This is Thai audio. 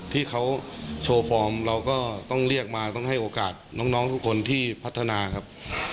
ที่เขาโชว์ฟอร์มเราก็ต้องเรียกมาต้องให้โอกาสน้องทุกคนที่พัฒนาครับ